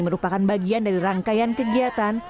merupakan bagian dari rangkaian kegiatan